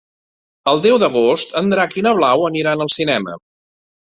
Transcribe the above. El deu d'agost en Drac i na Blau aniran al cinema.